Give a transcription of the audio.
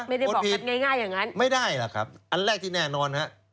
ไม่ได้บอกกันง่ายอย่างนั้นไม่ได้ล่ะครับอันแรกที่แน่นอนฮะ